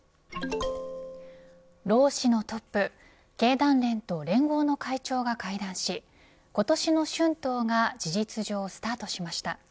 労使のトップ経団連と連合の会長が会談し今年の春闘が事実上スタートしました。